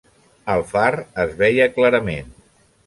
El far es veia clarament.